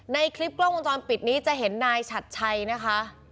ในคลิปกล้องวงจรปิดนี้จะเห็นนายฉัดชัยนะคะ